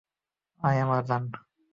আয় আমার জান।